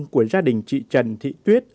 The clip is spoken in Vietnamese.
của gia đình chị trần thị tuyết